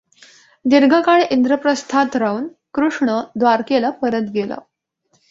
दीर्घकाळ इंद्रप्रस्थात राहून कृष्ण द्वारकेला परत गेला.